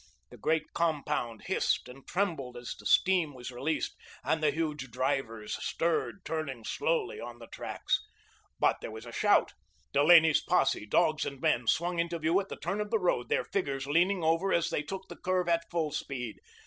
The great compound hissed and trembled as the steam was released, and the huge drivers stirred, turning slowly on the tracks. But there was a shout. Delaney's posse, dogs and men, swung into view at the turn of the road, their figures leaning over as they took the curve at full speed.